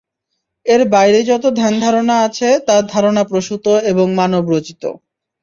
এর বাইরে যত ধ্যান-ধারণা আছে তা ধারণাপ্রসূত এবং মানব রচিত।